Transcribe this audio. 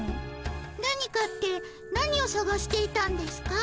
何かって何をさがしていたんですか？